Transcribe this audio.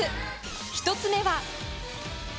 １つ目は。